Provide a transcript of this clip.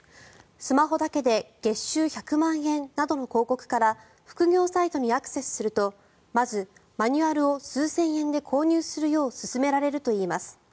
スマホだけで月収１００万円などの広告から副業サイトにアクセスするとまず、マニュアルを数千円で購入するよう勧められるといいます。